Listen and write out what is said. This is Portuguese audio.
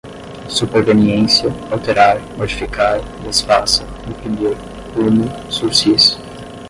superveniência, alterar, modificar, desfaça, imprimir, rumo, sursis